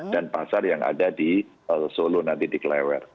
dan pasar yang ada di solo nanti di klewer